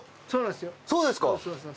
そうですか！